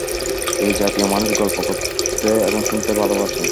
এ-জাতীয় মানুষ গল্প করতে এবং শুনতে ভালবাসে।